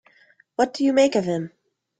What do you make of him?